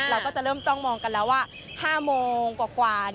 เราก็จะเริ่มจ้องมองกันแล้วว่า๕โมงกว่า